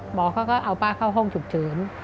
หมอเขาก็เอาป้าเข้าห้องฉุกเฉิน